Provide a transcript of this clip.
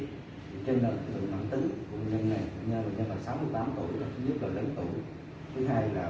trên đồng hồ bệnh nhân này bệnh nhân là sáu mươi tám tuổi nhất là lớn tuổi